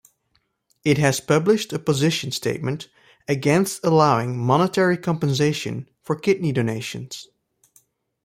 It has published a position statement against allowing monetary compensation for kidney donations.